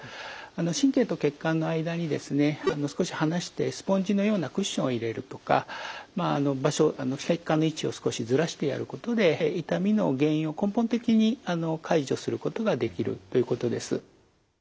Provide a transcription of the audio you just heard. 神経と血管の間にですね少し離してスポンジのようなクッションを入れるとか場所血管の位置を少しずらしてやることで痛みの原因を根本的に解除することができるということです。